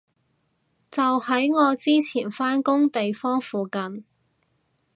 就喺我之前返工地方附近